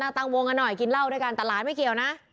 ตั้งวงกันหน่อยกินเหล้าด้วยกันแต่หลานไม่เกี่ยวนะ